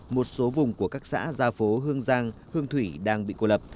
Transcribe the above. một số vùng của các xã gia phố hương giang hương thủy đang bị cô lập